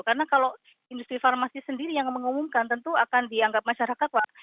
karena kalau industri farmasi sendiri yang mengumumkan tentu akan dianggap masyarakat